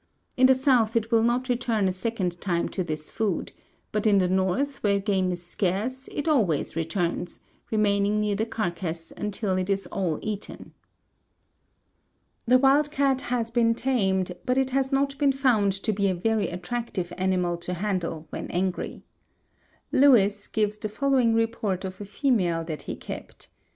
In the south it will not return a second time to this food, but in the north, where game is scarce, it always returns, remaining near the carcass until it is all eaten. The wild cat has been tamed but it has not been found to be a very attractive animal to handle when angry. Loewis gives the following report of a female that he kept.